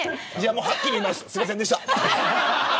はっきり言いますすいませんでした。